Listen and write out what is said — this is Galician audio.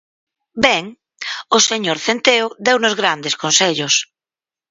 Ben, o señor Centeo deunos grandes consellos.